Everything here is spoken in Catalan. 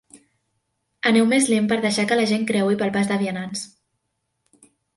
Aneu més lent per deixar que la gent creui pel pas de vianants.